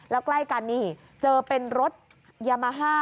แล้วใกล้กันนี่เจอเป็นรถยามาฮ่า